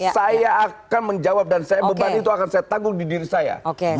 saya akan menjawab dan saya beban itu akan saya tanggung di diri saya